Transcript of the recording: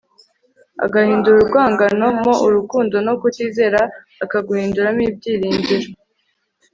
agahindura urwangano mo urukundo no kutizera akaguhinduramo ibyiringiro